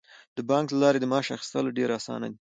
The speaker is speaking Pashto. د بانک له لارې د معاش اخیستل ډیر اسانه دي.